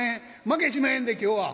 まけしまへんで今日は。